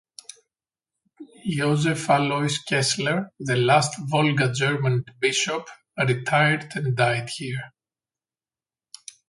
Josef Alois Kessler, the last Volga German Bishop, retired and died here.